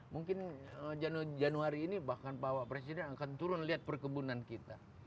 mungkin januari ini bahkan pak presiden akan turun lihat perkebunan kita